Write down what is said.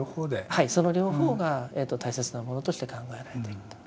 はいその両方が大切なものとして考えられていると。